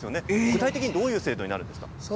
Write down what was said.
具体的にどういう制度ですか？